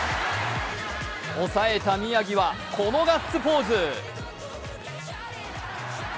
抑えた宮城はこのガッツポーズ。